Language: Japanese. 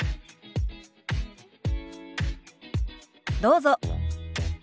どうぞ。